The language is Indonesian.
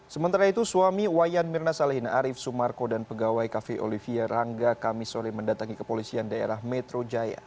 sementara itu suami wayan mirna salihin arief sumarko dan pegawai cafe olivia rangga kamisore mendatangi kepolisian daerah metro jaya